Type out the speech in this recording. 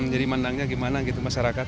mandangnya gimana gitu masyarakat